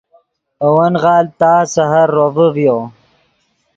اے ون غالڤ تا سحر روڤے ڤیو